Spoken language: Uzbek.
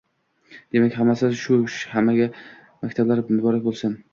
Demak, hammasi shu! Hammaga maktab bayramlari muborak bo'lsin!!!